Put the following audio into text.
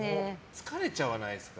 疲れちゃわないですか？